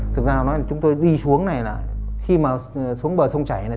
thực ra chúng tôi đi xuống này là khi mà xuống bờ sông chảy này